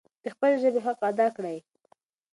د خپلې ژبي حق ادا کړئ.